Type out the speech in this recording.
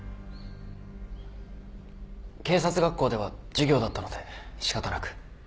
警察学校では授業だったので仕方なく。